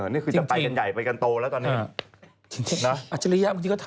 นี่คือจะไปกันใหญ่ไปกันโตแล้วตอนนี้